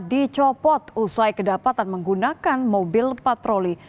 dicopot usai kedapatan menggunakan mobil patroli